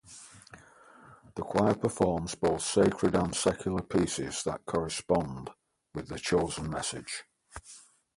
The choir performs both sacred and secular pieces that correspond with the chosen message.